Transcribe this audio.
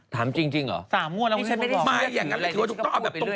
ถามจริงเหรอมาอย่างนั้นคือว่านี่ชั้นไม่ได้ชื่อ